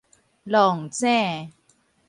弄井